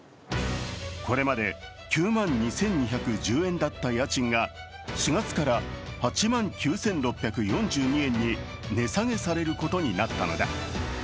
これまで９万２２１０円だった家賃が４月から８万９６４２円に値下げされることになったのだ。